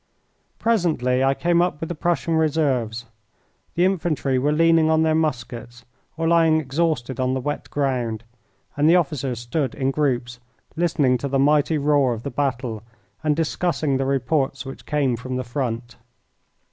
Presently I came up with the Prussian reserves. The infantry were leaning on their muskets or lying exhausted on the wet ground, and the officers stood in groups listening to the mighty roar of the battle and discussing the reports which came from the front.